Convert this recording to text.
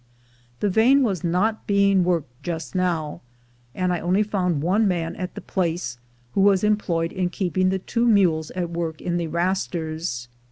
The vein was not being worked just now; and I only found one man at the place, who was employed in keeping the two mules at work in the "rasters."